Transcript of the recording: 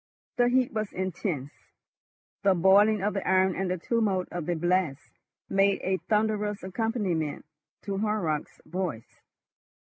The heat was intense. The boiling of the iron and the tumult of the blast made a thunderous accompaniment to Horrocks' voice.